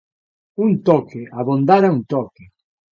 Un toque, abondara un toque.